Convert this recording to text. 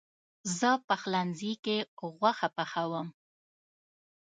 زه پخلنځي کې غوښه پخوم.